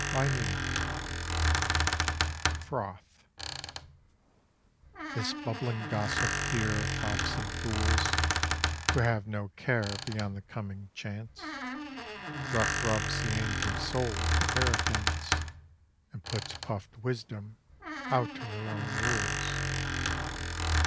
FROTH This bubbling gossip here of fops and fools, Who have no care beyond the coming chance, Rough rubs the angry soul to arrogance And puts puff'd wisdom out of her own rules.